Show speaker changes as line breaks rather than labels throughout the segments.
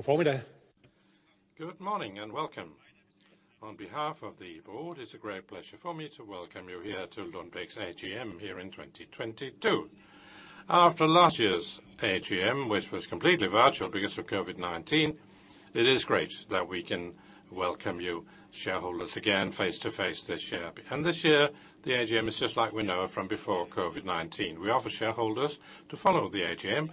Good morning, and welcome. On behalf of the board, it's a great pleasure for me to welcome you here to Lundbeck's AGM here in 2022. After last year's AGM, which was completely virtual because of COVID-19, it is great that we can welcome you shareholders again face-to-face this year. And this year, the AGM is just like we know it from before COVID-19. We offer shareholders to follow the AGM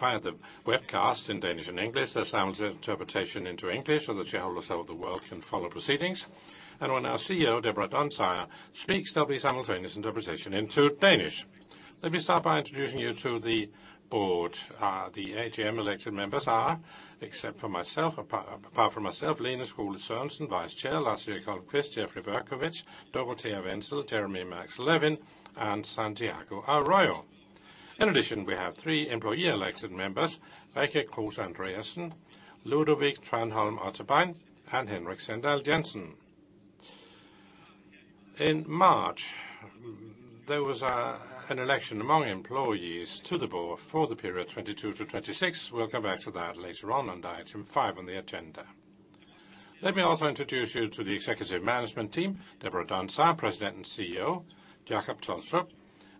via the webcast in Danish and English. There's sound interpretation into English so the shareholders over the world can follow proceedings, and when our CEO, Deborah Dunsire, speaks, there'll be simultaneous interpretation into Danish. Let me start by introducing you to the board. The AGM elected members are, except for myself, apart from myself, Lene Skole-Sørensen, Vice Chair, Lars Holmqvist, Jeffrey Berkowitz, Dorothea Wenzel, Jeremy Max Levin, and Santiago Arroyo. In addition, we have three employee elected members: Rikke Kruse Andreasen, Ludovic Tranholm Otterbein, and Henrik Sindal Jensen. In March, there was an election among employees to the board for the period 2022 to 2026. We'll come back to that later on under item five on the agenda. Let me also introduce you to the executive management team: Deborah Dunsire, President and CEO; Jacob Tolstrup,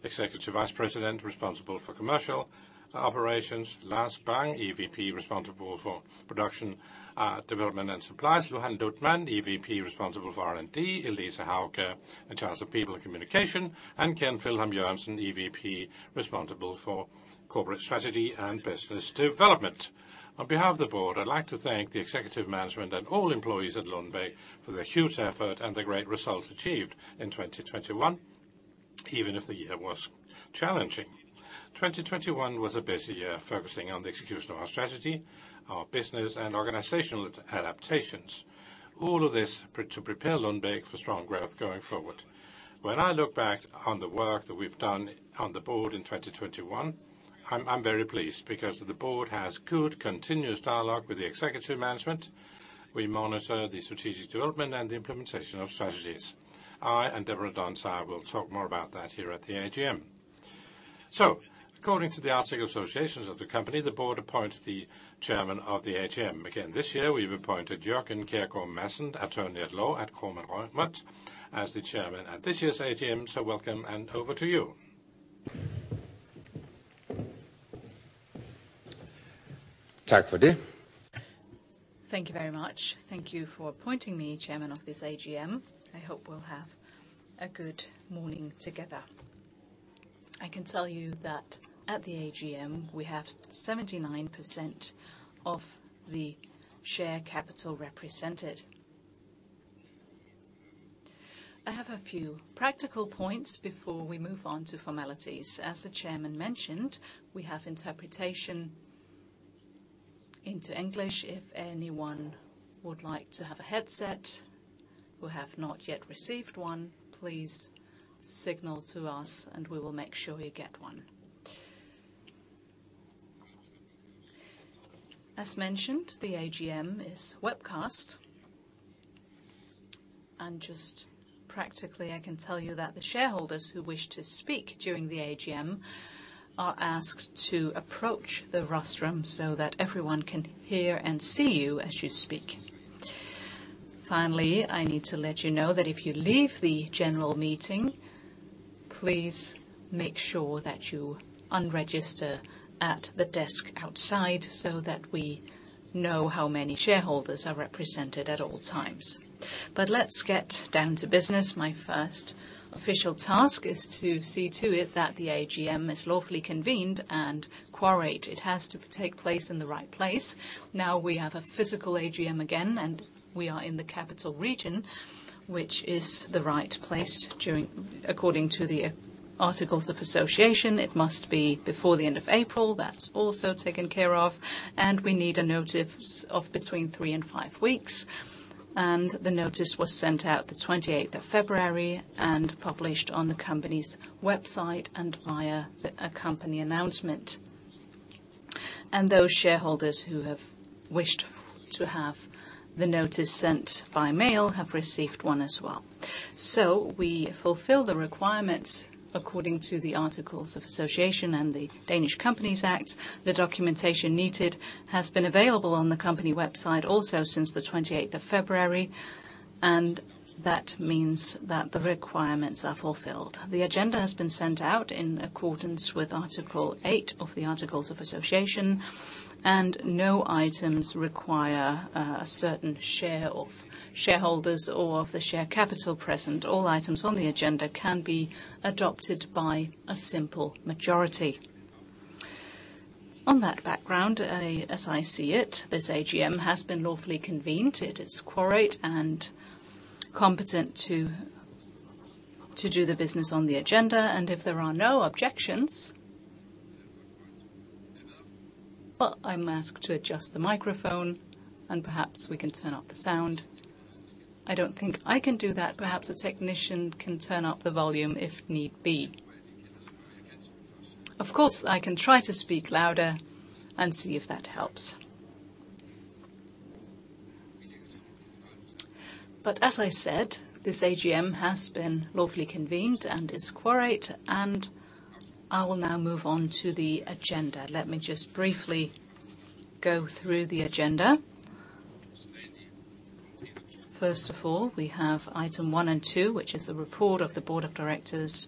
Executive Vice President, responsible for Commercial Operations; Lars Bang, EVP, responsible for Production, Development and Supplies; Johan Luthman, EVP, responsible for R&D; Elise Hauge, in charge of People and Communication; and Keld Flintholm Jørgensen, EVP, responsible for Corporate Strategy and Business Development. On behalf of the board, I'd like to thank the executive management and all employees at Lundbeck for their huge effort and the great results achieved in 2021, even if the year was challenging. 2021 was a busy year focusing on the execution of our strategy, our business and organizational adaptations, all of this to prepare Lundbeck for strong growth going forward. When I look back on the work that we've done on the board in 2021, I'm very pleased because the board has good, continuous dialogue with the executive management. We monitor the strategic development and the implementation of strategies. I and Deborah Dunsire will talk more about that here at the AGM. According to the Articles of Association of the company, the board appoints the chairman of the AGM. Again, this year, we've appointed Jørgen Kjergaard Madsen, attorney at law at Kromann Reumert, as the chairman at this year's AGM. Welcome, and over to you.
Thank you very much. Thank you for appointing me chairman of this AGM. I hope we'll have a good morning together. I can tell you that at the AGM, we have 79% of the share capital represented. I have a few practical points before we move on to formalities. As the chairman mentioned, we have interpretation into English. If anyone would like to have a headset who have not yet received one, please signal to us, and we will make sure you get one. As mentioned, the AGM is webcast. And just practically, I can tell you that the shareholders who wish to speak during the AGM are asked to approach the rostrum so that everyone can hear and see you as you speak. Finally, I need to let you know that if you leave the general meeting, please make sure that you unregister at the desk outside so that we know how many shareholders are represented at all times. But let's get down to business. My first official task is to see to it that the AGM is lawfully convened and quorate. It has to take place in the right place. Now, we have a physical AGM again, and we are in the Capital Region, which is the right place. According to the articles of association, it must be before the end of April. That's also taken care of, and we need a notice of between three and five weeks, and the notice was sent out the 28 of February and published on the company's website and via a company announcement. Those shareholders who have wished to have the notice sent by mail have received one as well. We fulfill the requirements according to the Articles of Association and the Danish Companies Act. The documentation needed has been available on the company website also since the 28 of February, and that means that the requirements are fulfilled. The agenda has been sent out in accordance with Article eight of the Articles of Association, and no items require a certain share of shareholders or of the share capital present. All items on the agenda can be adopted by a simple majority. On that background, I, as I see it, this AGM has been lawfully convened. It is quorate and competent to do the business on the agenda, and if there are no objections. I'm asked to adjust the microphone, and perhaps we can turn up the sound. I don't think I can do that. Perhaps a technician can turn up the volume if need be. Of course, I can try to speak louder and see if that helps. As I said, this AGM has been lawfully convened and is quorate, and I will now move on to the agenda. Let me just briefly go through the agenda. First of all, we have item one and two, which is the report of the board of directors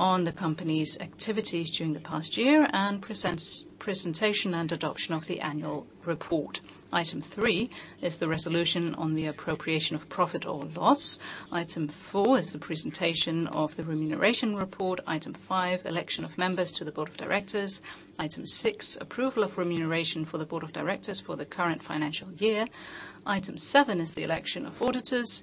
on the company's activities during the past year, and presentation and adoption of the annual report. Item three is the resolution on the appropriation of profit or loss. Item four is the presentation of the remuneration report. Item five, election of members to the board of directors. Item six, approval of remuneration for the Board of Directors for the current financial year. Item seven is the election of auditors.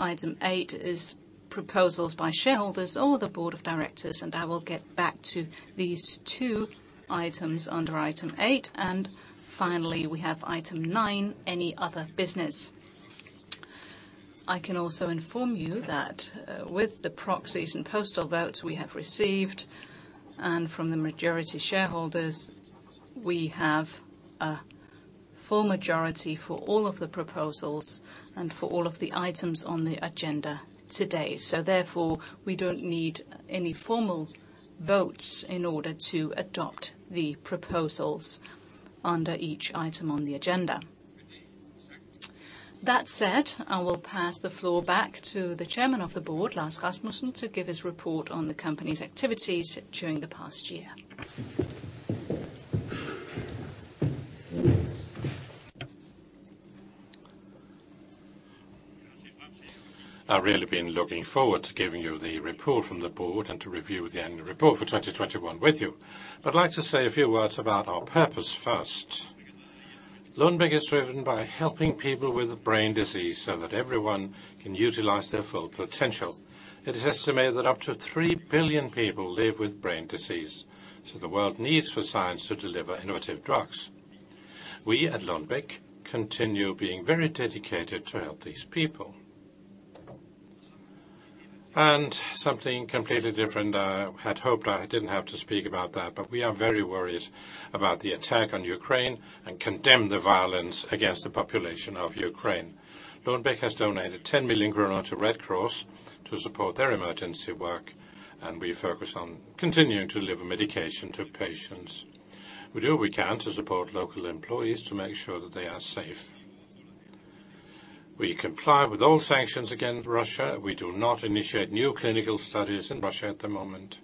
Item eight is proposals by shareholders or the Board of Directors, and I will get back to these two items under item eight. And finally, we have item nine, any other business. I can also inform you that, with the proxies and postal votes we have received, and from the majority shareholders, we have a full majority for all of the proposals and for all of the items on the agenda today. So therefore, we don't need any formal votes in order to adopt the proposals under each item on the agenda. That said, I will pass the floor back to the Chairman of the Board, Lars Rasmussen, to give his report on the company's activities during the past year.
I've really been looking forward to giving you the report from the board and to review the annual report for 2021 with you. I'd like to say a few words about our purpose first. Lundbeck is driven by helping people with brain disease so that everyone can utilize their full potential. It is estimated that up to three billion people live with brain disease, so the world needs for science to deliver innovative drugs. We at Lundbeck continue being very dedicated to help these people and something completely different. I had hoped I didn't have to speak about that, but we are very worried about the attack on Ukraine and condemn the violence against the population of Ukraine. Lundbeck has donated 10 million kroner to Red Cross to support their emergency work, and we focus on continuing to deliver medication to patients. We do what we can to support local employees to make sure that they are safe. We comply with all sanctions against Russia. We do not initiate new clinical studies in Russia at the moment.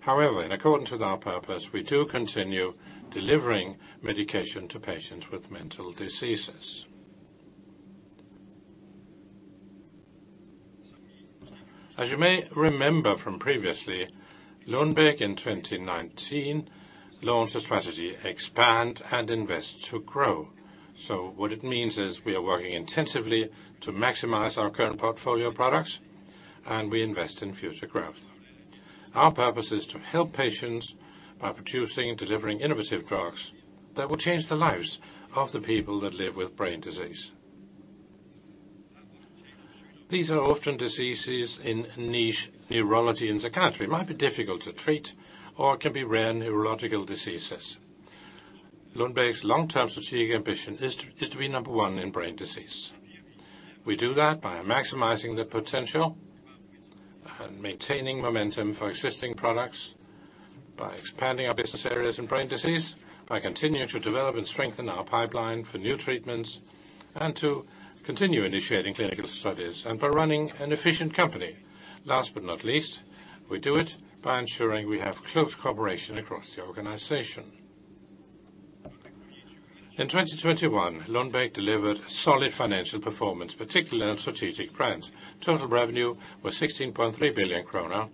However, in accordance with our purpose, we do continue delivering medication to patients with mental diseases. As you may remember from previously, Lundbeck in 2019 launched a strategy, expand and invest to grow. So what it means is we are working intensively to maximize our current portfolio of products, and we invest in future growth. Our purpose is to help patients by producing and delivering innovative drugs that will change the lives of the people that live with brain disease. These are often diseases in niche neurology and psychiatry. It might be difficult to treat or it can be rare neurological diseases. Lundbeck's long-term strategic ambition is to be number one in brain disease. We do that by maximizing the potential and maintaining momentum for existing products, by expanding our business areas in brain disease, by continuing to develop and strengthen our pipeline for new treatments, and to continue initiating clinical studies, and by running an efficient company. Last but not least, we do it by ensuring we have close cooperation across the organization. In 2021, Lundbeck delivered solid financial performance, particularly on strategic brands. Total revenue was 16.3 billion kroner.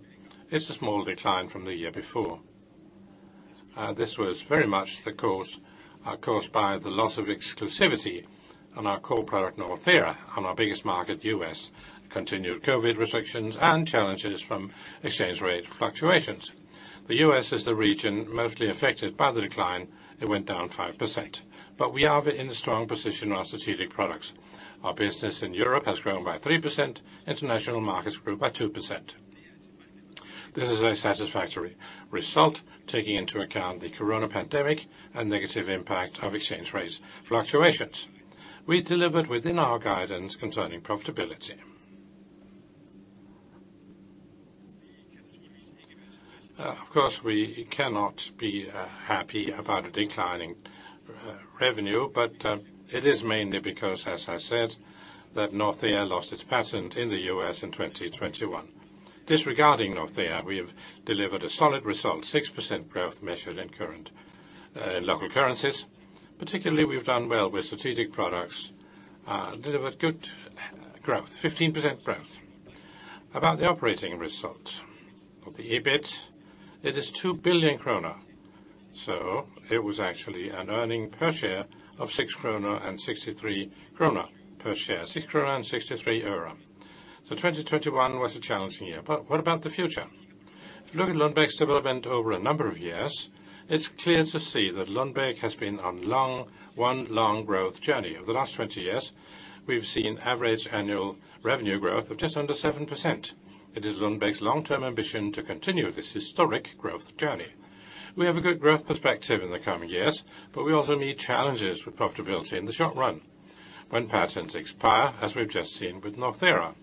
It's a small decline from the year before. This was very much caused by the loss of exclusivity on our core product, Northera, on our biggest market, U.S., continued COVID restrictions and challenges from exchange rate fluctuations. The U.S. is the region mostly affected by the decline. It went down 5%. But we are in a strong position on our strategic products. Our business in Europe has grown by 3%, international markets grew by 2%. This is a satisfactory result, taking into account the Corona pandemic and negative impact of exchange rates fluctuations. We delivered within our guidance concerning profitability. Of course, we cannot be happy about a declining revenue, but it is mainly because, as I said, that Northera lost its patent in the U.S. in 2021. Disregarding Northera, we have delivered a solid result, 6% growth measured in current local currencies. Particularly, we've done well with strategic products, delivered good growth, 15% growth. About the operating results of the EBIT, it is 2 billion kroner. So it was actually an earnings per share of 6.63 kroner per share. So 2021 was a challenging year. But what about the future? Looking at Lundbeck's development over a number of years, it's clear to see that Lundbeck has been on one long growth journey. Over the last 20 years, we've seen average annual revenue growth of just under 7%.... It is Lundbeck's long-term ambition to continue this historic growth journey. We have a good growth perspective in the coming years, but we also meet challenges with profitability in the short run when patents expire, as we've just seen with Northera.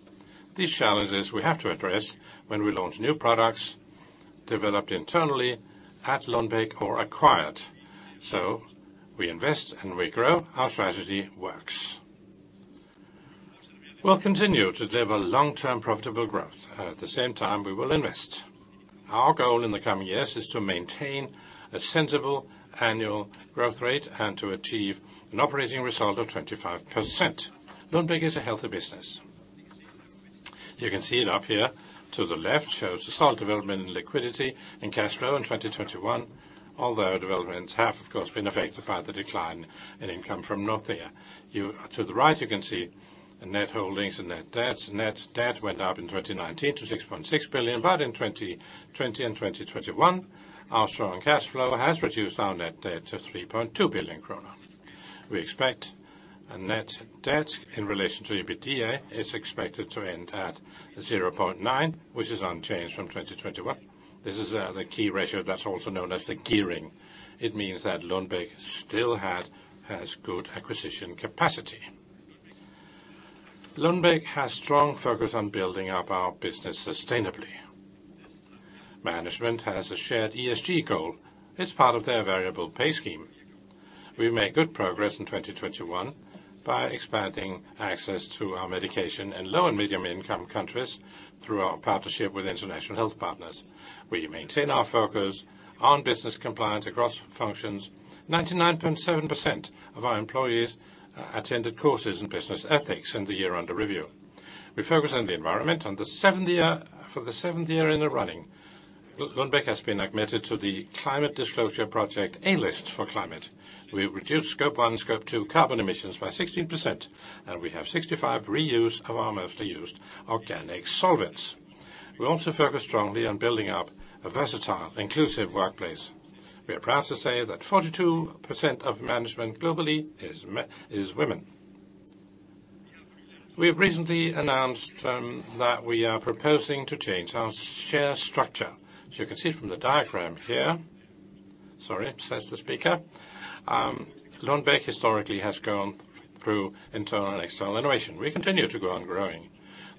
These challenges we have to address when we launch new products developed internally at Lundbeck or acquired. So we invest and we grow. Our strategy works. We'll continue to deliver long-term profitable growth, and at the same time, we will invest. Our goal in the coming years is to maintain a sensible annual growth rate and to achieve an operating result of 25%. Lundbeck is a healthy business. You can see it up here. To the left shows the solid development in liquidity and cash flow in 2021, although developments have, of course, been affected by the decline in income from Northera. To the right, you can see the net holdings and net debts. Net debt went up in 2019 to 6.6 billion, but in 2020 and 2021, our strong cash flow has reduced our net debt to 3.2 billion krone. We expect a net debt in relation to EBITDA is expected to end at 0.9, which is unchanged from 2021. This is the key ratio that's also known as the gearing. It means that Lundbeck still had, has good acquisition capacity. Lundbeck has strong focus on building up our business sustainably. Management has a shared ESG goal. It's part of their variable pay scheme. We made good progress in 2021 by expanding access to our medication in low and medium-income countries through our partnership with International Health Partners. We maintain our focus on business compliance across functions. 99.7% of our employees attended courses in business ethics in the year under review. We focus on the environment. For the seventh year in a row, Lundbeck has been admitted to the Climate Disclosure Project A List for climate. We reduced Scope 1, Scope 2 carbon emissions by 16%, and we have 65% reuse of our most used organic solvents. We also focus strongly on building up a versatile, inclusive workplace. We are proud to say that 42% of management globally is women. We have recently announced that we are proposing to change our share structure. So you can see from the diagram here. Lundbeck historically has gone through internal and external innovation. We continue to go on growing.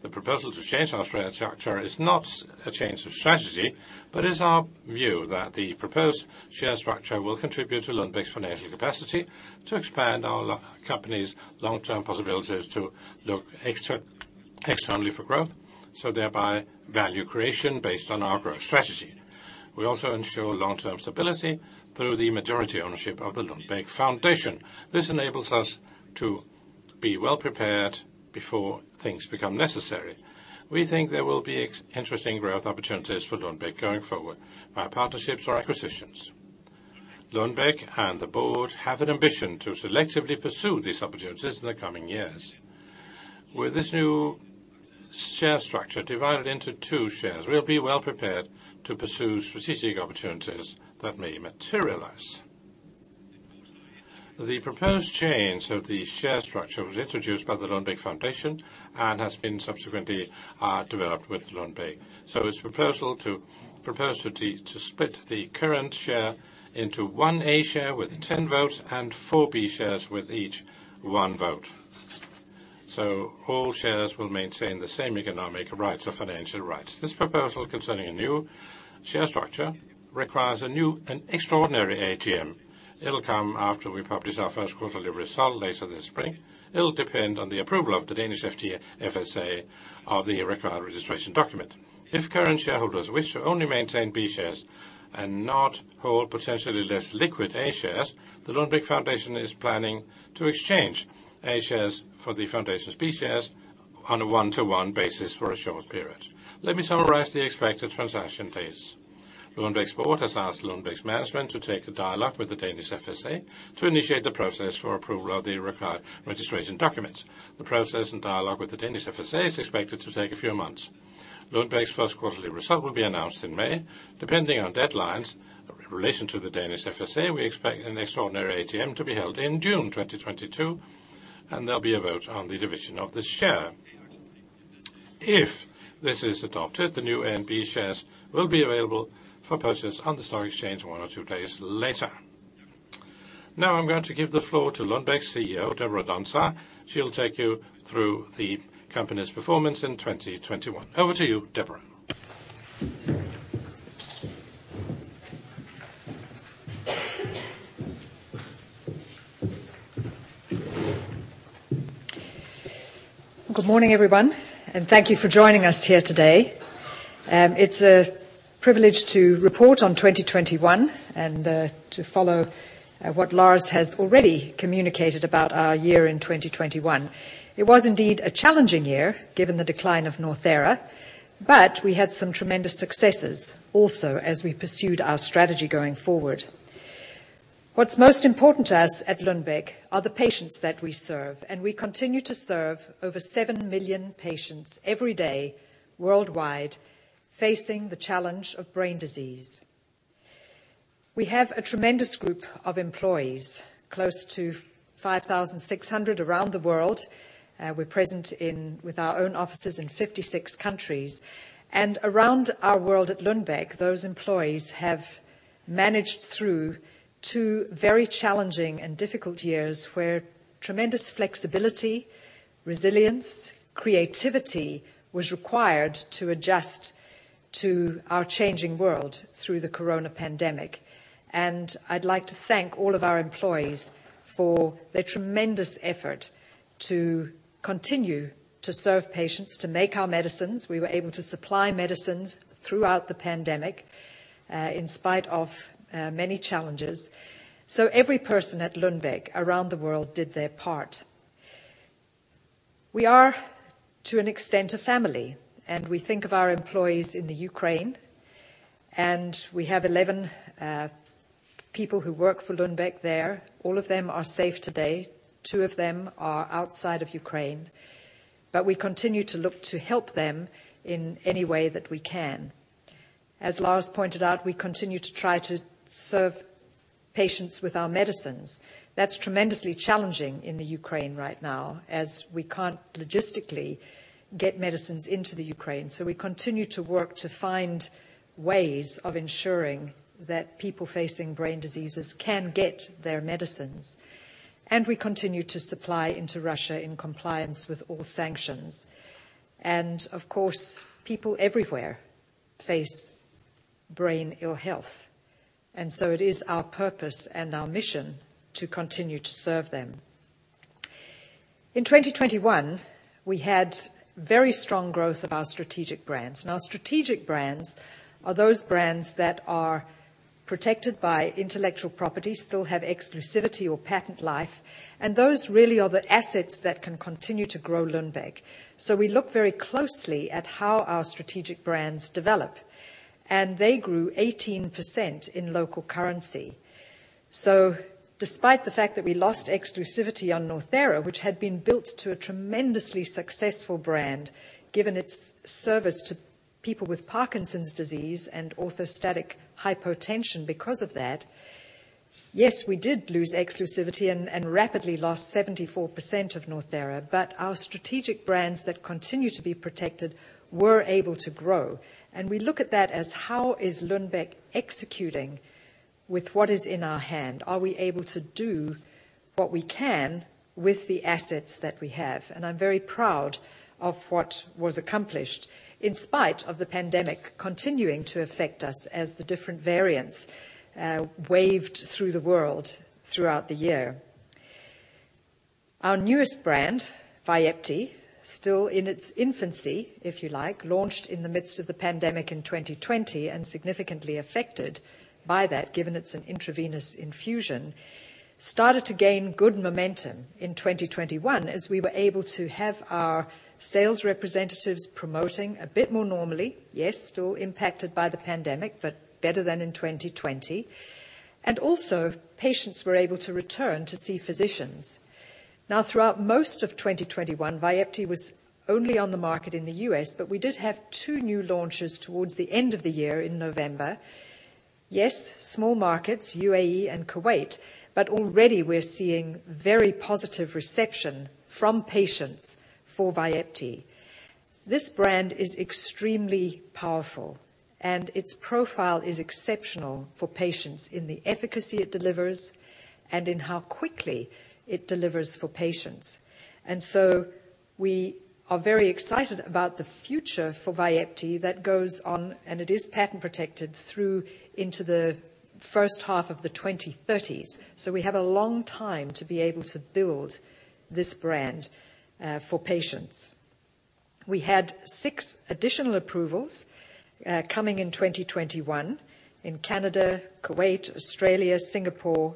The proposal to change our share structure is not a change of strategy, but it's our view that the proposed share structure will contribute to Lundbeck's financial capacity to expand our company's long-term possibilities to look externally for growth, so thereby value creation based on our growth strategy. We also ensure long-term stability through the majority ownership of the Lundbeck Foundation. This enables us to be well prepared before things become necessary. We think there will be interesting growth opportunities for Lundbeck going forward by partnerships or acquisitions. Lundbeck and the board have an ambition to selectively pursue these opportunities in the coming years. With this new share structure divided into two shares, we'll be well prepared to pursue strategic opportunities that may materialize. The proposed change of the share structure was introduced by the Lundbeck Foundation and has been subsequently developed with Lundbeck, so it's proposed to split the current share into one A share with ten votes and four B shares with each one vote, so all shares will maintain the same economic rights or financial rights. This proposal concerning a new share structure requires a new and extraordinary AGM. It'll come after we publish our first quarterly result later this spring. It'll depend on the approval of the Danish FSA of the required registration document. If current shareholders wish to only maintain B shares and not hold potentially less liquid A shares, the Lundbeck Foundation is planning to exchange A shares for the foundation's B shares on a one-to-one basis for a short period. Let me summarize the expected transaction dates. Lundbeck's board has asked Lundbeck's management to take the dialogue with the Danish FSA to initiate the process for approval of the required registration documents. The process and dialogue with the Danish FSA is expected to take a few months. Lundbeck's first quarterly result will be announced in May. Depending on deadlines in relation to the Danish FSA, we expect an extraordinary AGM to be held in June 2022, and there'll be a vote on the division of the share. If this is adopted, the new A and B shares will be available for purchase on the stock exchange one or two days later. Now I'm going to give the floor to Lundbeck's CEO, Deborah Dunsire. She'll take you through the company's performance in 2021. Over to you, Deborah.
Good morning, everyone, and thank you for joining us here today. It's a privilege to report on 2021 and to follow what Lars has already communicated about our year in 2021. It was indeed a challenging year, given the decline of Northera, but we had some tremendous successes also as we pursued our strategy going forward. What's most important to us at Lundbeck are the patients that we serve, and we continue to serve over 7 million patients every day worldwide, facing the challenge of brain disease.... We have a tremendous group of employees, close to 5,600 around the world. We're present in, with our own offices in 56 countries. Around our world at Lundbeck, those employees have managed through two very challenging and difficult years, where tremendous flexibility, resilience, creativity was required to adjust to our changing world through the Corona pandemic. And I'd like to thank all of our employees for their tremendous effort to continue to serve patients, to make our medicines. We were able to supply medicines throughout the pandemic, in spite of many challenges. So every person at Lundbeck around the world did their part. We are, to an extent, a family, and we think of our employees in the Ukraine, and we have eleven people who work for Lundbeck there. All of them are safe today. Two of them are outside of Ukraine, but we continue to look to help them in any way that we can. As Lars pointed out, we continue to try to serve patients with our medicines. That's tremendously challenging in the Ukraine right now, as we can't logistically get medicines into the Ukraine, so we continue to work to find ways of ensuring that people facing brain diseases can get their medicines, and we continue to supply into Russia in compliance with all sanctions, and of course, people everywhere face brain ill health, and so it is our purpose and our mission to continue to serve them. In 2021, we had very strong growth of our strategic brands, and our strategic brands are those brands that are protected by intellectual property, still have exclusivity or patent life, and those really are the assets that can continue to grow Lundbeck, so we look very closely at how our strategic brands develop, and they grew 18% in local currency. So despite the fact that we lost exclusivity on Northera, which had been built to a tremendously successful brand, given its service to people with Parkinson's disease and orthostatic hypotension because of that, yes, we did lose exclusivity and rapidly lost 74% of Northera, but our strategic brands that continue to be protected were able to grow. And we look at that as how is Lundbeck executing with what is in our hand? Are we able to do what we can with the assets that we have? And I'm very proud of what was accomplished in spite of the pandemic continuing to affect us as the different variants waved through the world throughout the year. Our newest brand, Vyepti, still in its infancy, if you like, launched in the midst of the pandemic in 2020 and significantly affected by that, given it's an intravenous infusion, started to gain good momentum in 2021, as we were able to have our sales representatives promoting a bit more normally. Yes, still impacted by the pandemic, but better than in 2020, and also, patients were able to return to see physicians. Now, throughout most of 2021, Vyepti was only on the market in the U.S., but we did have two new launches towards the end of the year in November. Yes, small markets, UAE and Kuwait, but already we're seeing very positive reception from patients for Vyepti. This brand is extremely powerful, and its profile is exceptional for patients in the efficacy it delivers and in how quickly it delivers for patients. And so we are very excited about the future for Vyepti. That goes on, and it is patent protected through into the first half of the 2030's. So we have a long time to be able to build this brand for patients. We had 6 additional approvals coming in 2021 in Canada, Kuwait, Australia, Singapore,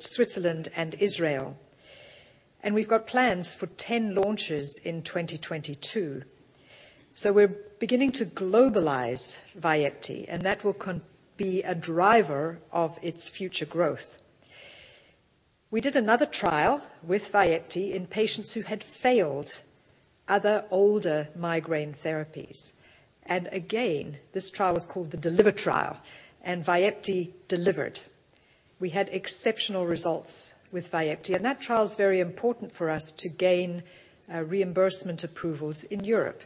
Switzerland, and Israel, and we've got plans for 10 launches in 2022. So we're beginning to globalize Vyepti, and that will be a driver of its future growth. We did another trial with Vyepti in patients who had failed other older migraine therapies, and again, this trial was called the DELIVER Trial, and Vyepti delivered. We had exceptional results with Vyepti, and that trial is very important for us to gain reimbursement approvals in Europe.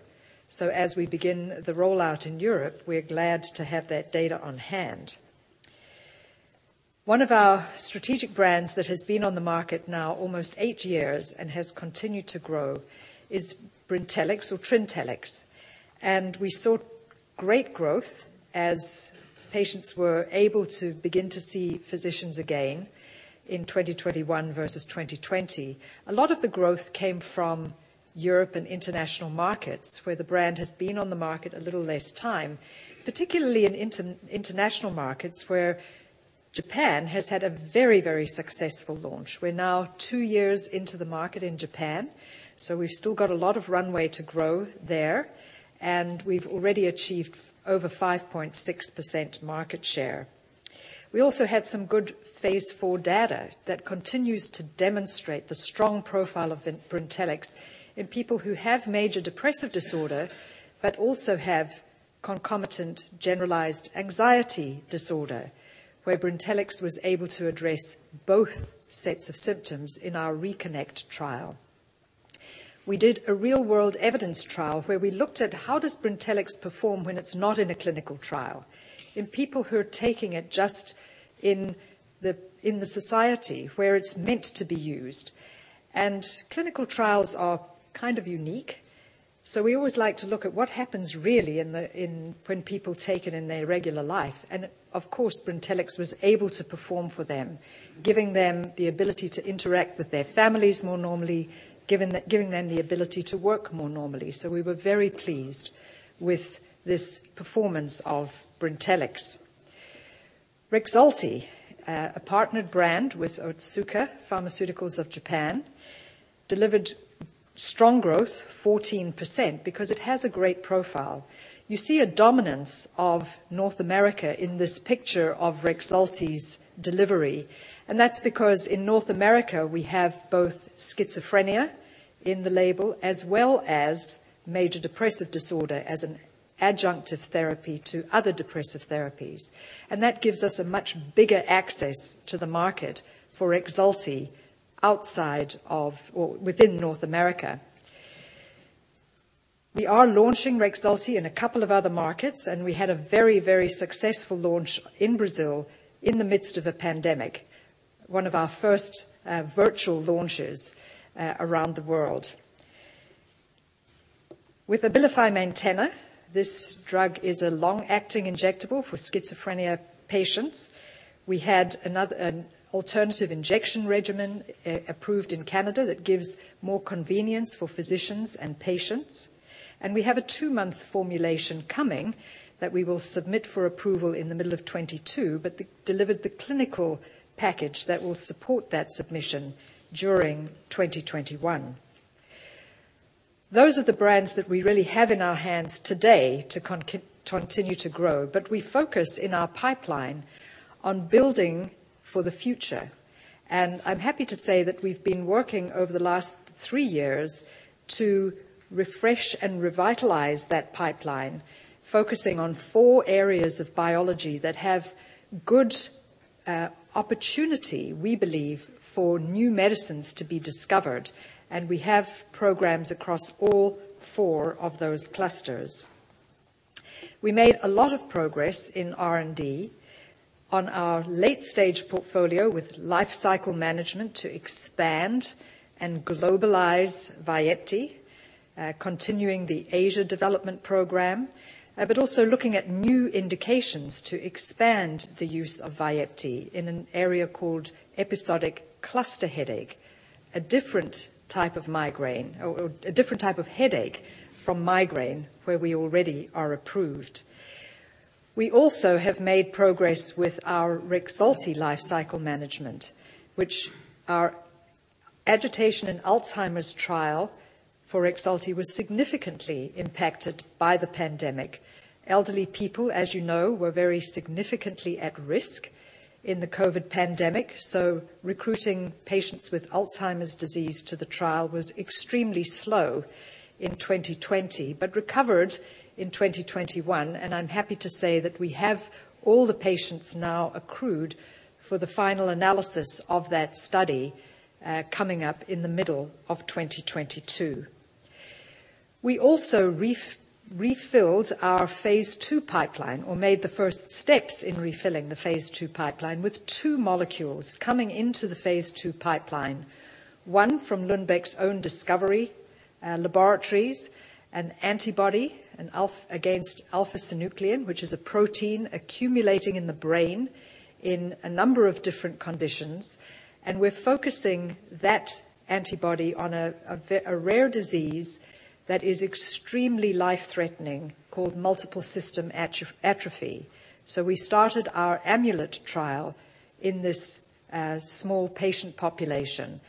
So as we begin the rollout in Europe, we're glad to have that data on hand. One of our strategic brands that has been on the market now almost eight years and has continued to grow is Brintellix or Trintellix, and we saw great growth as patients were able to begin to see physicians again in 2021 versus 2020. A lot of the growth came from Europe and international markets, where the brand has been on the market a little less time, particularly in international markets, where Japan has had a very, very successful launch. We're now two years into the market in Japan, so we've still got a lot of runway to grow there, and we've already achieved over 5.6% market share. We also had some good phase 4 data that continues to demonstrate the strong profile of Brintellix in people who have major depressive disorder, but also have concomitant generalized anxiety disorder, where Brintellix was able to address both sets of symptoms in our RECONNECT trial. We did a real-world evidence trial where we looked at how does Brintellix perform when it's not in a clinical trial, in people who are taking it just in the society where it's meant to be used? And clinical trials are kind of unique, so we always like to look at what happens really when people take it in their regular life. And of course, Brintellix was able to perform for them, giving them the ability to interact with their families more normally, giving them the ability to work more normally. So we were very pleased with this performance of Brintellix. Rexulti, a partnered brand with Otsuka Pharmaceuticals of Japan, delivered strong growth, 14%, because it has a great profile. You see a dominance of North America in this picture of Rexulti's delivery, and that's because in North America, we have both schizophrenia in the label, as well as major depressive disorder as an adjunctive therapy to other depressive therapies. And that gives us a much bigger access to the market for Rexulti outside of or within North America. We are launching Rexulti in a couple of other markets, and we had a very, very successful launch in Brazil in the midst of a pandemic, one of our first, virtual launches, around the world. With Abilify Maintena, this drug is a long-acting injectable for schizophrenia patients. We had another... an alternative injection regimen, approved in Canada that gives more convenience for physicians and patients, and we have a two-month formulation coming that we will submit for approval in the middle of 2022, but delivered the clinical package that will support that submission during 2021. Those are the brands that we really have in our hands today to continue to grow, but we focus in our pipeline on building for the future. And I'm happy to say that we've been working over the last three years to refresh and revitalize that pipeline, focusing on four areas of biology that have good, opportunity, we believe, for new medicines to be discovered, and we have programs across all four of those clusters. We made a lot of progress in R&D on our late-stage portfolio with life cycle management to expand and globalize Vyepti, continuing the Asia development program, but also looking at new indications to expand the use of Vyepti in an area called episodic cluster headache, a different type of migraine, or a different type of headache from migraine, where we already are approved. We also have made progress with our Rexulti lifecycle management, which our agitation in Alzheimer's trial for Rexulti was significantly impacted by the pandemic. Elderly people, as you know, were very significantly at risk in the COVID pandemic, so recruiting patients with Alzheimer's disease to the trial was extremely slow in 2020, but recovered in 2021, and I'm happy to say that we have all the patients now accrued for the final analysis of that study, coming up in the middle of 2022. We also refilled our phase 2 pipeline, or made the first steps in refilling the phase 2 pipeline with two molecules coming into the phase 2 pipeline. One from Lundbeck's own discovery laboratories, an antibody against alpha-synuclein, which is a protein accumulating in the brain in a number of different conditions, and we're focusing that antibody on a rare disease that is extremely life-threatening, called multiple system atrophy. So we started our AMULET trial in this small patient population.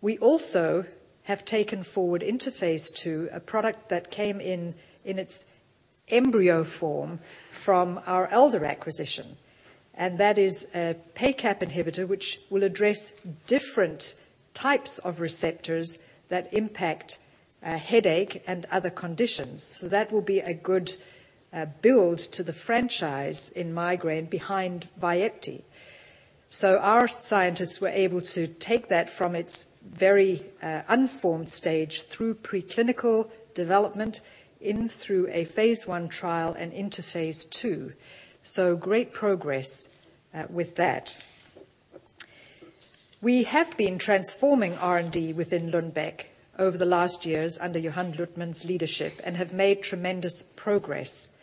We also have taken forward into phase two a product that came in its embryo form from our Alder acquisition, and that is a PACAP inhibitor, which will address different types of receptors that impact headache and other conditions. So that will be a good build to the franchise in migraine behind Vyepti. So our scientists were able to take that from its very unformed stage through preclinical development through a phase one trial and into phase two. So great progress with that. We have been transforming R&D within Lundbeck over the last years under Johan Luthman's leadership and have made tremendous progress.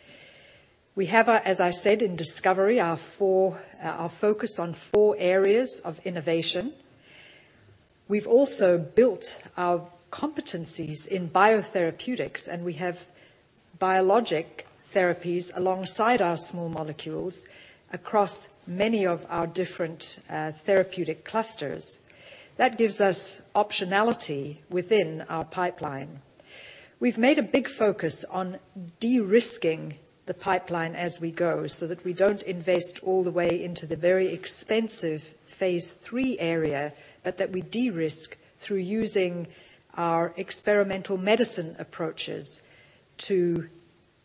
We have, as I said, in discovery our focus on four areas of innovation. We've also built our competencies in biotherapeutics, and we have-... Biologic therapies alongside our small molecules across many of our different therapeutic clusters. That gives us optionality within our pipeline. We've made a big focus on de-risking the pipeline as we go, so that we don't invest all the way into the very expensive phase III area, but that we de-risk through using our experimental medicine approaches to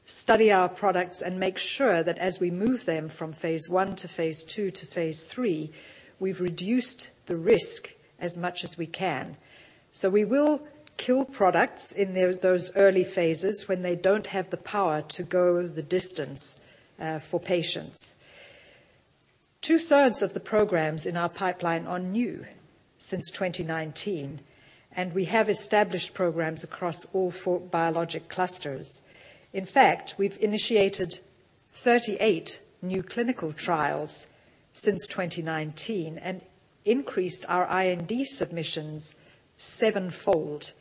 study our products and make sure that as we move them from phase I to phase II to phase III, we've reduced the risk as much as we can. So we will kill products in those early phases when they don't have the power to go the distance for patients. Two-thirds of the programs in our pipeline are new since 2019, and we have established programs across all four biologic clusters. In fact, we've initiated 38 new clinical trials since 2019 and increased our IND submissions sevenfold.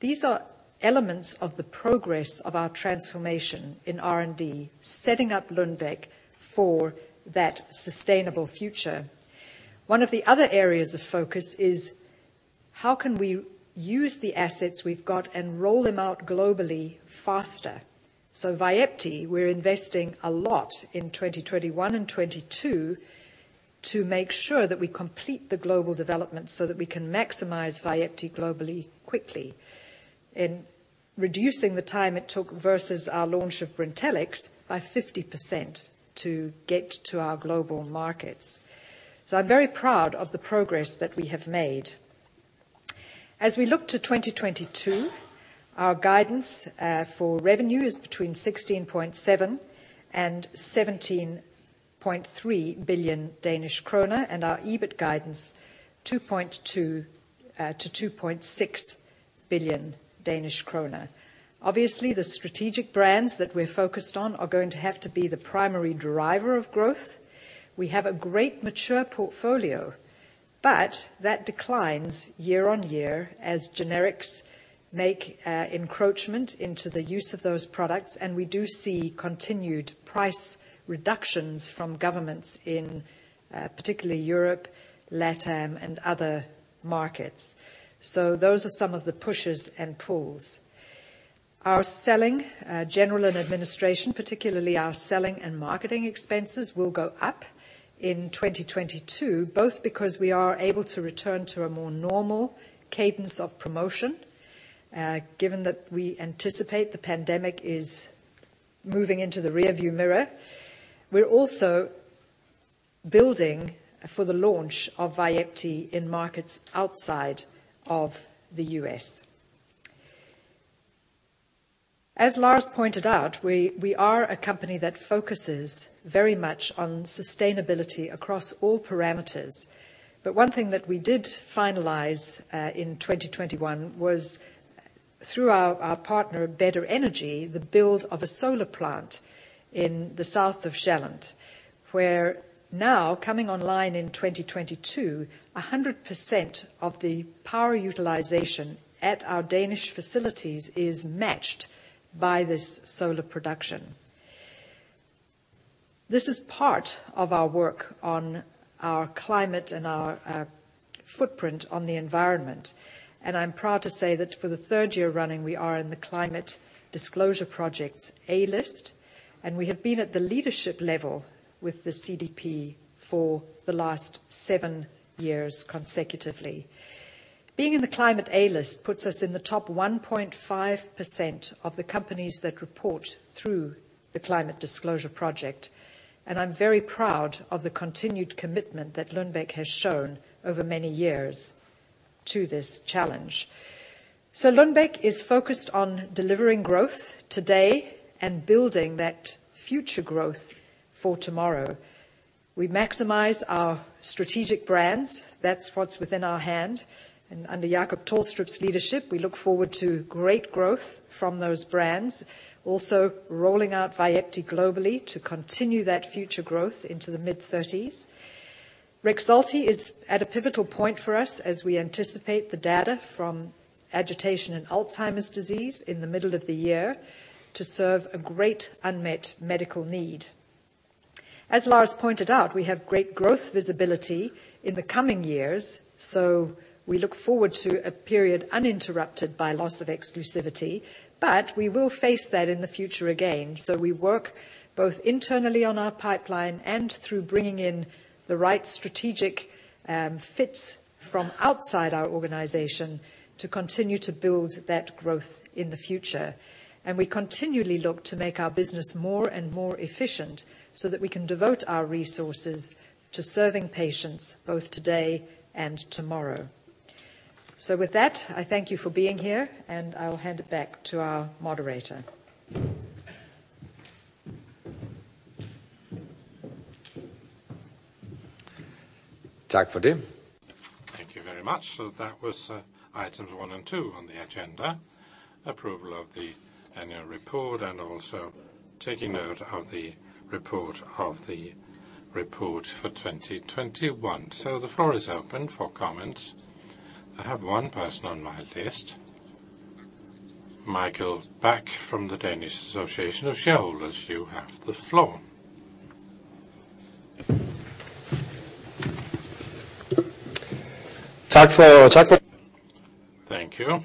These are elements of the progress of our transformation in R&D, setting up Lundbeck for that sustainable future. One of the other areas of focus is: how can we use the assets we've got and roll them out globally faster? So, Vyepti, we're investing a lot in 2021 and 2022 to make sure that we complete the global development so that we can maximize Vyepti globally quickly, and reducing the time it took versus our launch of Brintellix by 50% to get to our global markets. So I'm very proud of the progress that we have made. As we look to 2022, our guidance for revenue is between 16.7 billion and 17.3 billion Danish kroner, and our EBIT guidance, 2.2 billion to 2.6 billion Danish kroner. Obviously, the strategic brands that we're focused on are going to have to be the primary driver of growth. We have a great mature portfolio, but that declines year-on-year as generics make encroachment into the use of those products, and we do see continued price reductions from governments in particularly Europe, LatAm, and other markets. So those are some of the pushes and pulls. Our selling general and administration, particularly our selling and marketing expenses, will go up in 2022, both because we are able to return to a more normal cadence of promotion given that we anticipate the pandemic is moving into the rear view mirror. We're also building for the launch of Vyepti in markets outside of the U.S. As Lars pointed out, we are a company that focuses very much on sustainability across all parameters. But one thing that we did finalize in 2021 was, through our, our partner, Better Energy, the build of a solar plant in the south of Sjælland, where now, coming online in 2022, 100% of the power utilization at our Danish facilities is matched by this solar production. This is part of our work on our climate and our footprint on the environment, and I'm proud to say that for the third year running, we are in the Climate Disclosure Project's A List, and we have been at the leadership level with the CDP for the last seven years consecutively. Being in the Climate A List puts us in the top 1.5% of the companies that report through the Climate Disclosure Project, and I'm very proud of the continued commitment that Lundbeck has shown over many years to this challenge. Lundbeck is focused on delivering growth today and building that future growth for tomorrow. We maximize our strategic brands. That's what's within our hand, and under Jacob Tolstrup's leadership, we look forward to great growth from those brands. Also, rolling out Vyepti globally to continue that future growth into the mid-30's. Rexulti is at a pivotal point for us as we anticipate the data from agitation in Alzheimer's disease in the middle of the year to serve a great unmet medical need. As Lars pointed out, we have great growth visibility in the coming years, so we look forward to a period uninterrupted by loss of exclusivity. But we will face that in the future again, so we work both internally on our pipeline and through bringing in the right strategic, fits from outside our organization to continue to build that growth in the future. We continually look to make our business more and more efficient so that we can devote our resources to serving patients both today and tomorrow. With that, I thank you for being here, and I'll hand it back to our moderator.
Thank you very much. That was items one and two on the agenda: approval of the annual report, and also taking note of the report for 2021. The floor is open for comments... I have one person on my list, Michael Bak from the Danish Association of Shareholders. You have the floor.
Thank you.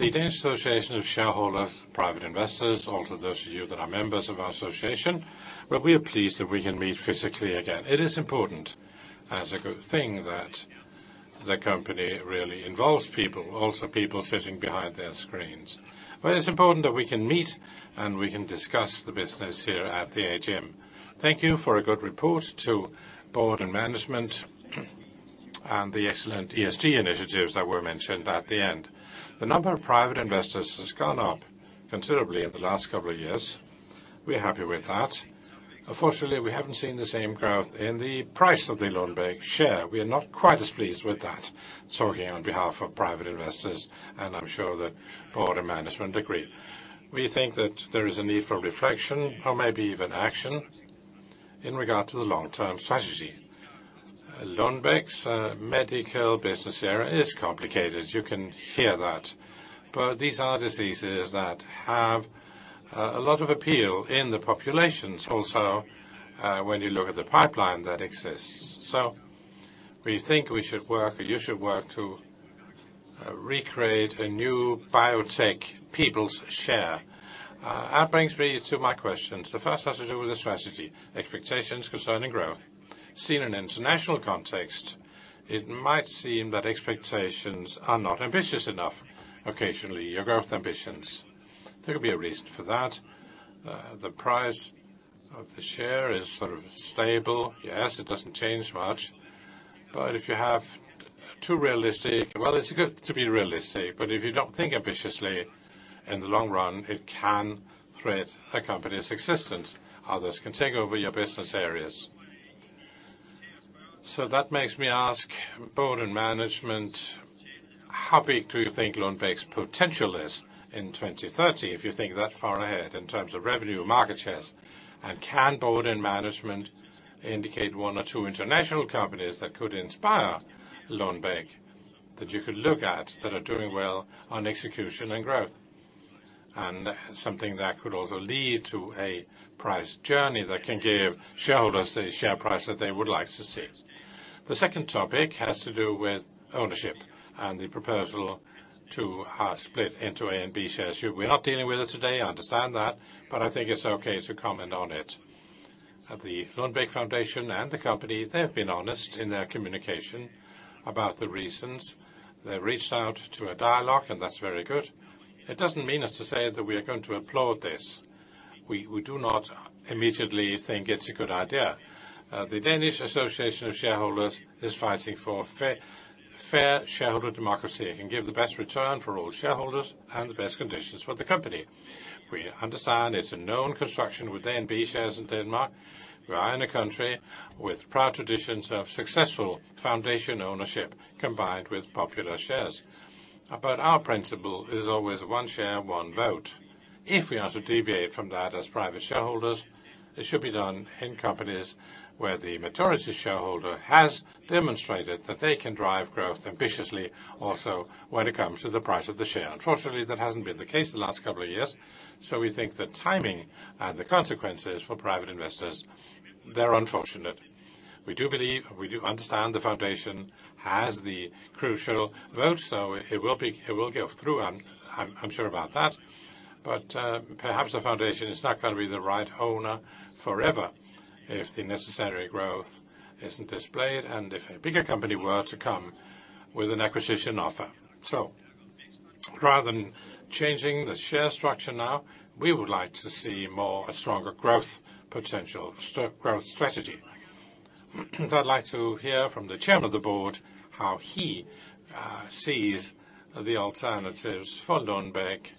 The Danish Association of Shareholders, private investors, also those of you that are members of our association, well, we are pleased that we can meet physically again. It is important as a good thing that the company really involves people, also people sitting behind their screens. But it's important that we can meet, and we can discuss the business here at the AGM. Thank you for a good report to board and management, and the excellent ESG initiatives that were mentioned at the end. The number of private investors has gone up considerably in the last couple of years. We're happy with that. Unfortunately, we haven't seen the same growth in the price of the Lundbeck share. We are not quite as pleased with that, talking on behalf of private investors, and I'm sure that board and management agree. We think that there is a need for reflection or maybe even action in regard to the long-term strategy. Lundbeck's medical business area is complicated. You can hear that. But these are diseases that have a lot of appeal in the populations, also, when you look at the pipeline that exists. So we think we should work, or you should work to recreate a new biotech people's share. That brings me to my questions. The first has to do with the strategy, expectations concerning growth. Seen in international context, it might seem that expectations are not ambitious enough. Occasionally, your growth ambitions, there could be a reason for that. The price of the share is sort of stable. Yes, it doesn't change much, but if you have too realistic... Well, it's good to be realistic, but if you don't think ambitiously in the long run, it can threaten a company's existence. Others can take over your business areas. So that makes me ask board and management, how big do you think Lundbeck's potential is in 2030, if you think that far ahead in terms of revenue, market shares? And can board and management indicate one or two international companies that could inspire Lundbeck, that you could look at, that are doing well on execution and growth, and something that could also lead to a price journey that can give shareholders the share price that they would like to see? The second topic has to do with ownership and the proposal to split into A and B shares. We're not dealing with it today, I understand that, but I think it's okay to comment on it. At the Lundbeck Foundation and the company, they've been honest in their communication about the reasons. They reached out to a dialogue, and that's very good. It doesn't mean as to say that we are going to applaud this. We do not immediately think it's a good idea. The Danish Association of Shareholders is fighting for fair shareholder democracy. It can give the best return for all shareholders and the best conditions for the company. We understand it's a known construction with A and B shares in Denmark. We are in a country with proud traditions of successful foundation ownership, combined with popular shares. But our principle is always one share, one vote. If we are to deviate from that as private shareholders, it should be done in companies where the majority shareholder has demonstrated that they can drive growth ambitiously, also, when it comes to the price of the share. Unfortunately, that hasn't been the case in the last couple of years, so we think the timing and the consequences for private investors, they're unfortunate. We do believe, we do understand the foundation has the crucial vote, so it will be... It will go through, I'm sure about that. But, perhaps the foundation is not gonna be the right owner forever, if the necessary growth isn't displayed and if a bigger company were to come with an acquisition offer. So rather than changing the share structure now, we would like to see more, a stronger growth potential, growth strategy. I'd like to hear from the chairman of the board, how he sees the alternatives for Lundbeck.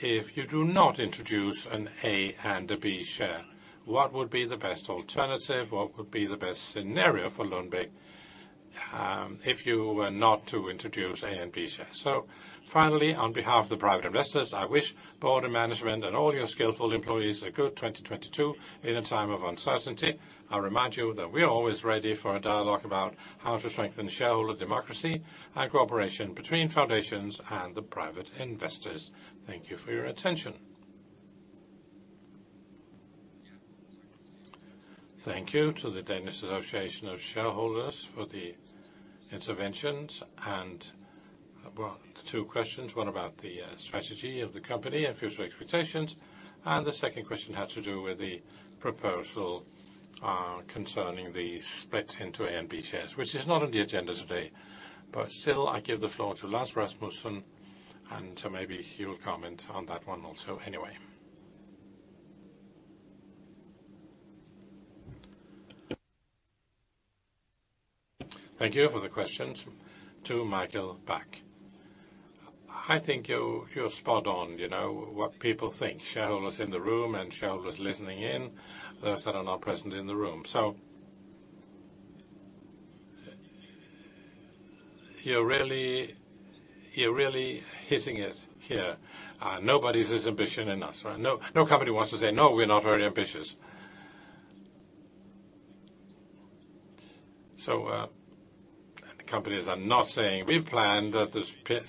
If you do not introduce an A and a B share, what would be the best alternative? What would be the best scenario for Lundbeck, if you were not to introduce A and B shares? So finally, on behalf of the private investors, I wish board and management and all your skillful employees a good 2022 in a time of uncertainty. I remind you that we're always ready for a dialogue about how to strengthen shareholder democracy and cooperation between foundations and the private investors. Thank you for your attention. Thank you to the Danish Association of Shareholders for the interventions and, well, two questions, one about the strategy of the company and future expectations, and the second question had to do with the proposal concerning the split into A and B shares, which is not on the agenda today. But still, I give the floor to Lars Rasmussen, and so maybe he will comment on that one also, anyway.
Thank you for the questions. To Michael Bak, I think you, you're spot on, you know, what people think, shareholders in the room and shareholders listening in, those that are not present in the room. So you're really, you're really hitting it here. Nobody's as ambitious as us, right? No, no company wants to say, "No, we're not very ambitious."... So, the companies are not saying we plan that the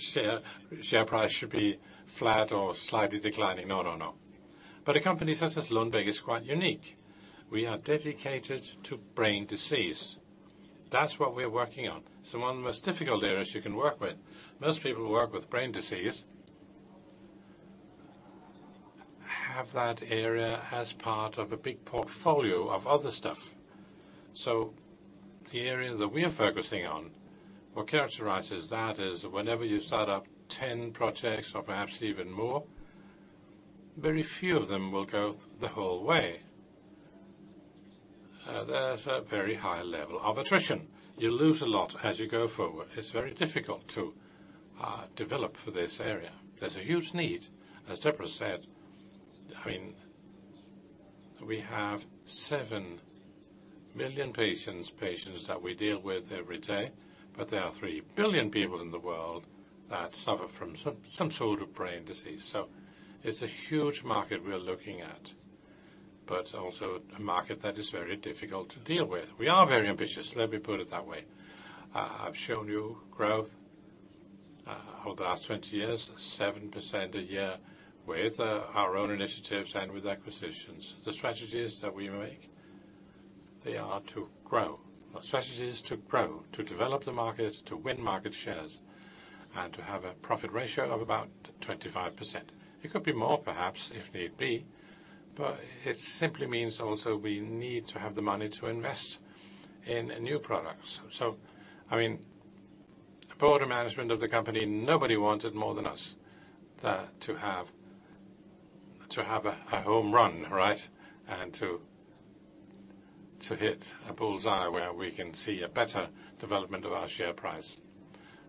share price should be flat or slightly declining. No, no, no. But a company such as Lundbeck is quite unique. We are dedicated to brain disease. That's what we're working on. It's one of the most difficult areas you can work with. Most people who work with brain disease have that area as part of a big portfolio of other stuff. So the area that we are focusing on, what characterizes that is whenever you start up ten projects or perhaps even more, very few of them will go the whole way. There's a very high level of attrition. You lose a lot as you go forward. It's very difficult to develop for this area. There's a huge need, as Deborah said. I mean, we have seven million patients that we deal with every day, but there are three billion people in the world that suffer from some sort of brain disease. So it's a huge market we are looking at, but also a market that is very difficult to deal with. We are very ambitious, let me put it that way. I've shown you growth over the last 20 years, 7% a year with our own initiatives and with acquisitions. The strategies that we make, they are to grow. Our strategy is to grow, to develop the market, to win market shares, and to have a profit ratio of about 25%. It could be more, perhaps, if need be, but it simply means also we need to have the money to invest in new products. I mean, the board of management of the company, nobody wants it more than us to have a home run, right? And to hit a bull's eye where we can see a better development of our share price.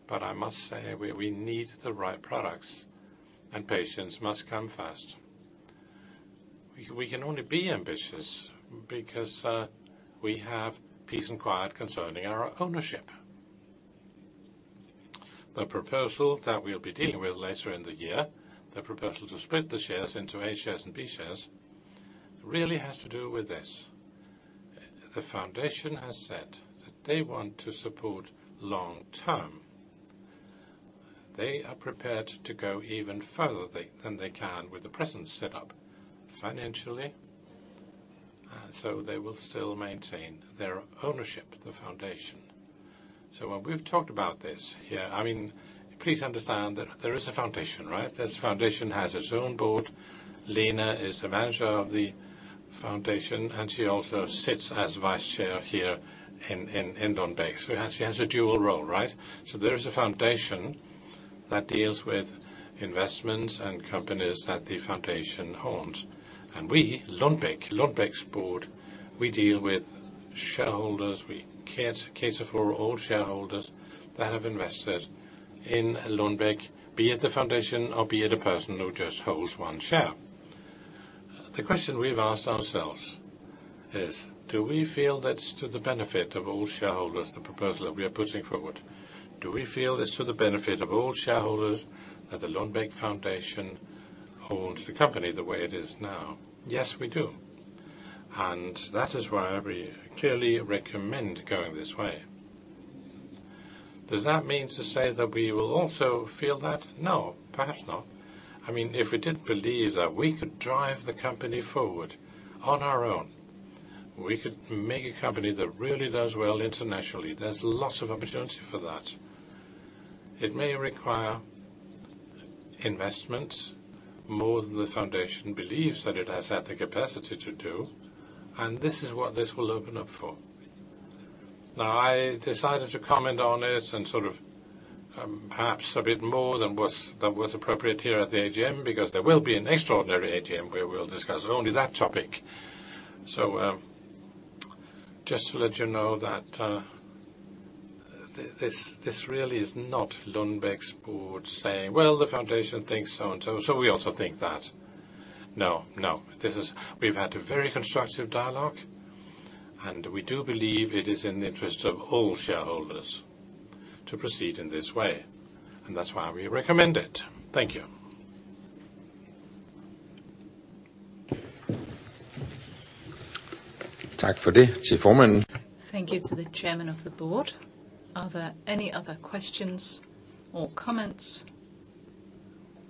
But I must say, we need the right products, and patients must come first. We can only be ambitious because we have peace and quiet concerning our ownership. The proposal that we'll be dealing with later in the year, the proposal to split the shares into A shares and B shares, really has to do with this. The foundation has said that they want to support long term. They are prepared to go even further than they can with the present setup financially, so they will still maintain their ownership, the foundation. When we've talked about this here, I mean, please understand that there is a foundation, right? This foundation has its own board. Lene is the manager of the foundation, and she also sits as vice chair here in Lundbeck. So she has a dual role, right? So there is a foundation that deals with investments and companies that the foundation owns. And we, Lundbeck, Lundbeck's board, we deal with shareholders. We cater for all shareholders that have invested in Lundbeck, be it the foundation or be it a person who just holds one share. The question we've asked ourselves is: do we feel that's to the benefit of all shareholders, the proposal that we are putting forward? Do we feel it's to the benefit of all shareholders that the Lundbeck Foundation holds the company the way it is now? Yes, we do. And that is why we clearly recommend going this way. Does that mean to say that we will also feel that? No, perhaps not. I mean, if we did believe that we could drive the company forward on our own, we could make a company that really does well internationally, there's lots of opportunity for that. It may require investment more than the foundation believes that it has had the capacity to do, and this is what this will open up for. Now, I decided to comment on it and sort of, perhaps a bit more than was appropriate here at the AGM, because there will be an extraordinary AGM where we'll discuss only that topic. Just to let you know that, this really is not Lundbeck's board saying, "Well, the foundation thinks so and so, so we also think that." No, no, this is... We've had a very constructive dialogue, and we do believe it is in the interest of all shareholders to proceed in this way, and that's why we recommend it. Thank you.
Thank you to the chairman of the board. Are there any other questions or comments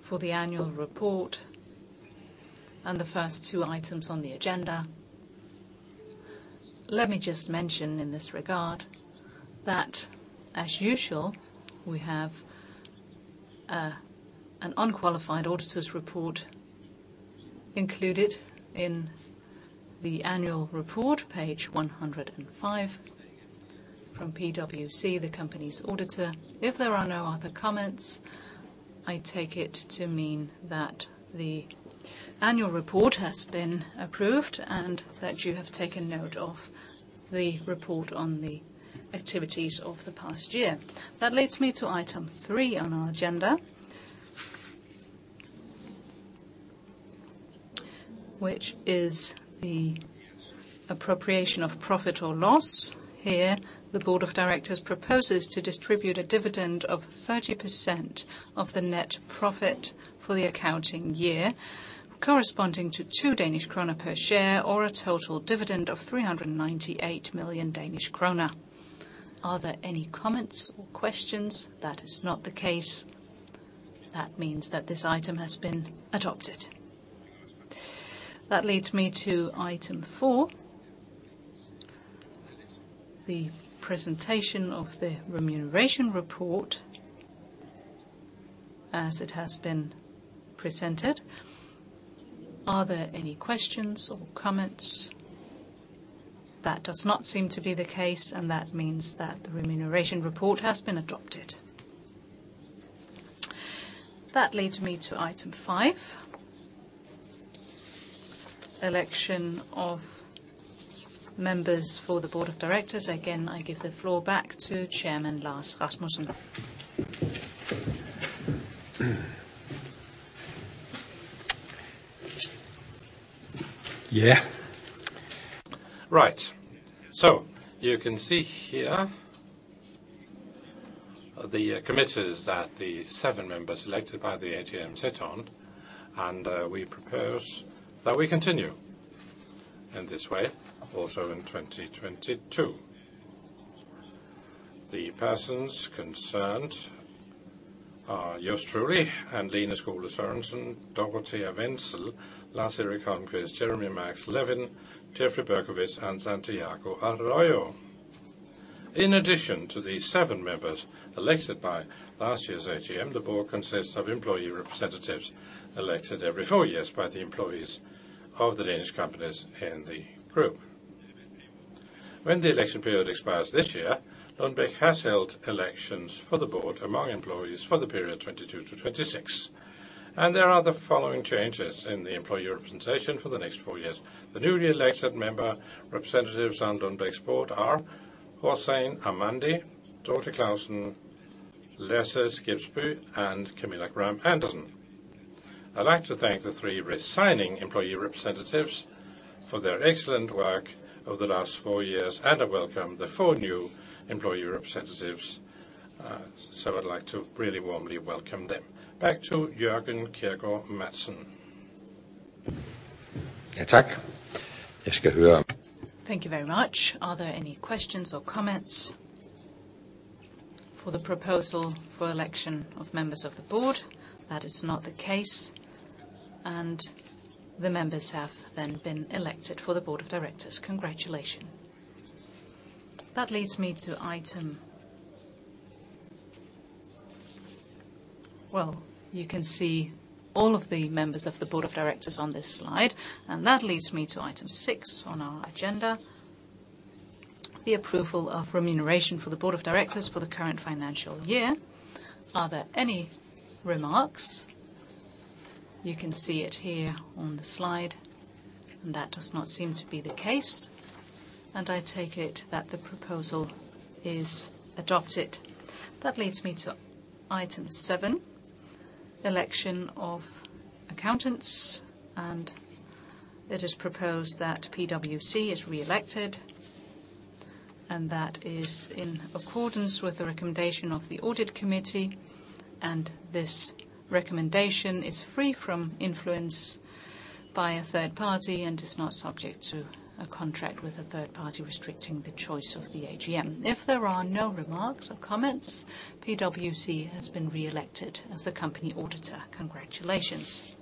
for the annual report and the first two items on the agenda? Let me just mention in this regard that, as usual, we have an unqualified auditor's report included in the annual report, page 105, from PwC, the company's auditor. If there are no other comments, I take it to mean that the annual report has been approved and that you have taken note of the report on the activities of the past year. That leads me to item three on our agenda, which is the appropriation of profit or loss. Here, the board of directors proposes to distribute a dividend of 30% of the net profit for the accounting year, corresponding to 2 Danish kroner per share or a total dividend of 398 million Danish kroner. Are there any comments or questions? That is not the case. That means that this item has been adopted. That leads me to item four, the presentation of the remuneration report as it has been presented. Are there any questions or comments? That does not seem to be the case, and that means that the remuneration report has been adopted. That leads me to item five, election of members for the board of directors. Again, I give the floor back to Chairman Lars Rasmussen.
Yeah. Right. So you can see here the committees that the seven members elected by the AGM sit on, and we propose that we continue in this way, also in 2022. The persons concerned are Lars Rasmussen and Lene Skole-Sørensen, Dorothea Wenzel, Lars Holmqvist, Jeremy Max Levin, Jeffrey Berkowitz, and Santiago Arroyo. In addition to the seven members elected by last year's AGM, the board consists of employee representatives elected every four years by the employees of the Danish companies in the group. When the election period expires this year, Lundbeck has held elections for the board among employees for the period 2022 to 2026, and there are the following changes in the employee representation for the next four years. The newly elected member representatives on Lundbeck's board are Hossein Armandi, Dorte Clausen, Lasse Skibsbye, and Camilla Gram Andersson. I'd like to thank the three resigning employee representatives for their excellent work over the last four years, and I welcome the four new employee representatives, so I'd like to really warmly welcome them. Back to Jørgen Kjergaard Madsen. Yeah, tack.
Thank you very much. Are there any questions or comments for the proposal for election of members of the board? That is not the case, and the members have then been elected for the board of directors. Congratulations. That leads me to item... Well, you can see all of the members of the board of directors on this slide, and that leads me to item six on our agenda, the approval of remuneration for the board of directors for the current financial year. Are there any remarks? You can see it here on the slide, and that does not seem to be the case, and I take it that the proposal is adopted. That leads me to item seven, election of accountants, and it is proposed that PwC is re-elected, and that is in accordance with the recommendation of the audit committee, and this recommendation is free from influence by a third party and is not subject to a contract with a third party restricting the choice of the AGM. If there are no remarks or comments, PwC has been re-elected as the company auditor. Congratulations.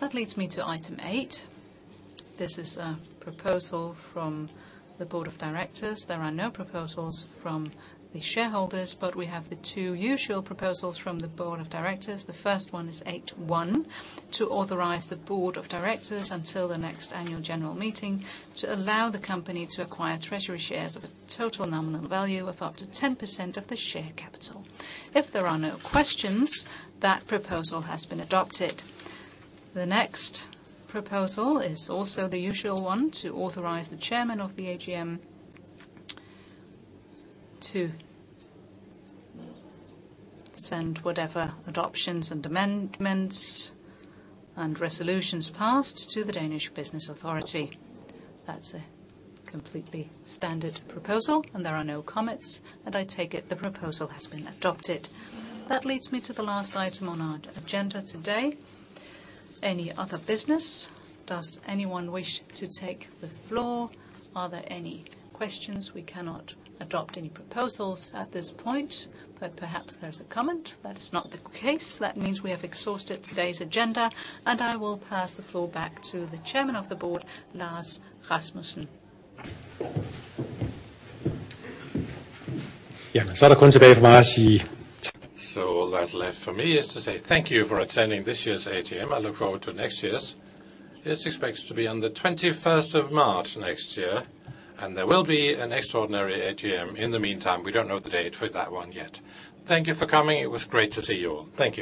That leads me to item eight. This is a proposal from the board of directors. There are no proposals from the shareholders, but we have the two usual proposals from the board of directors. The first one is eight one, to authorize the board of directors until the next annual general meeting to allow the company to acquire treasury shares of a total nominal value of up to 10% of the share capital. If there are no questions, that proposal has been adopted. The next proposal is also the usual one, to authorize the chairman of the AGM to send whatever adoptions and amendments, and resolutions passed to the Danish Business Authority. That's a completely standard proposal, and there are no comments, and I take it the proposal has been adopted. That leads me to the last item on our agenda today. Any other business? Does anyone wish to take the floor? Are there any questions? We cannot adopt any proposals at this point, but perhaps there's a comment. That's not the case. That means we have exhausted today's agenda, and I will pass the floor back to the chairman of the board, Lars Rasmussen.
Yeah, so all that's left for me is to say thank you for attending this year's AGM. I look forward to next year's. It's expected to be on the 21st of March next year, and there will be an extraordinary AGM in the meantime. We don't know the date for that one yet. Thank you for coming. It was great to see you all. Thank you.